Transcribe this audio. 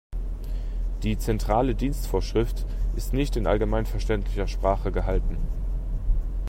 Die Zentrale Dienstvorschrift ist nicht in allgemeinverständlicher Sprache gehalten.